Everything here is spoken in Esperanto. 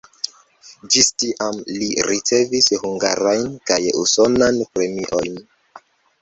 Ĝis tiam li ricevis hungarajn kaj usonan premiojn.